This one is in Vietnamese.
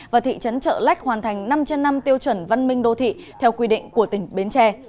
và thị trấn trợ lách hoàn thành năm trên năm tiêu chuẩn văn minh đô thị theo quy định của tỉnh bến tre